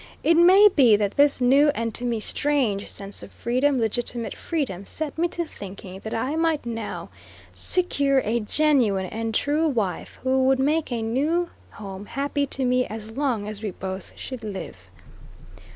It may be that this new, and to me strange sense of freedom, legitimate freedom, set me to thinking that I might now secure a genuine and true wife, who would make a new home happy to me as long as we both should live.